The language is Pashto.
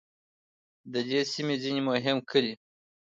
د دې سیمې ځینې مهم کلي